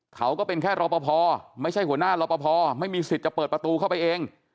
ก็เป็นแค่รอปภไม่ใช่หัวหน้ารอปภไม่มีสิทธิ์จะเปิดประตูเข้าไปเอง